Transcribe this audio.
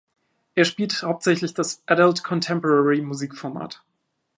Er spielt hauptsächlich das Adult-Contemporary-Musikformat.